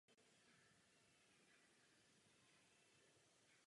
Režisérem filmu je Danny Boyle.